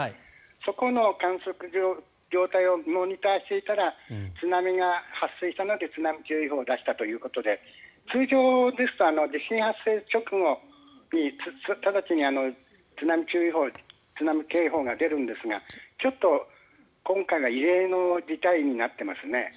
そこの観測所の状態をモニターしていたら津波が発生したので津波注意報を出したということで通常ですと地震発生直後に直ちに津波注意報津波警報が出るんですが今回は異例の事態になってますね。